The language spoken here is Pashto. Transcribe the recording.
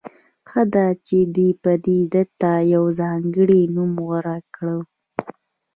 ښه ده چې دې پدیدې ته یو ځانګړی نوم غوره کړو.